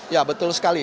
ya betul sekali